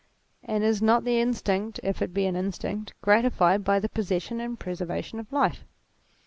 And is not the instinct, if it be an instinct, gratified by the possession and preservation of life